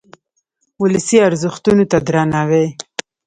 ولسي ارزښتونو ته درناوی.